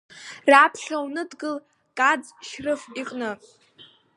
Раԥхьа уныдгыл Каӡ Шьрыф иҟны.